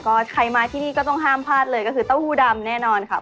ก็ใครมาที่นี่ก็ต้องห้ามพลาดเลยก็คือเต้าหู้ดำแน่นอนค่ะ